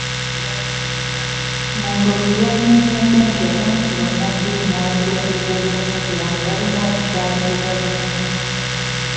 Matovu yannyonnyodde nti abamu ku bannaddiini n'abakulembeze b'ensikirano balina obukyayi ku gavumenti.